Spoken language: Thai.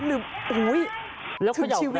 หรือโอ้ยถึงชีวิตนะ